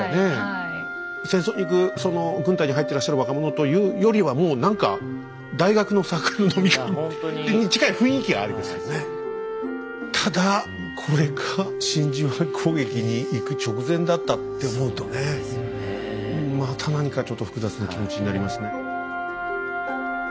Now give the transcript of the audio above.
戦争に行く軍隊に入ってらっしゃる若者というよりはもう何かただこれが真珠湾攻撃に行く直前だったって思うとねまた何かちょっと複雑な気持ちになりますね。